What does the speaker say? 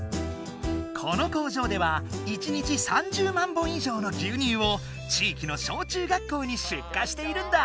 この工場では１日３０万本いじょうの牛乳を地域の小中学校に出荷しているんだ。